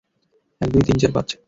এক, দুই, তিন, চার, পাঁচ।